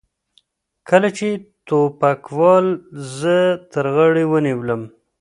کله چې ټوپکوال زه تر غاړې ونیولم.